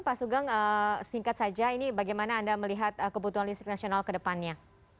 pak sugeng singkat saja ini bagaimana anda melihat kebutuhan listrik nasional ke depannya